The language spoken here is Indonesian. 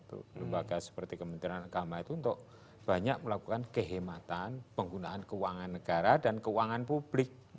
lembaga seperti kementerian agama itu untuk banyak melakukan kehematan penggunaan keuangan negara dan keuangan publik